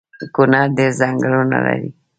کونړ ډیر ځنګلونه لري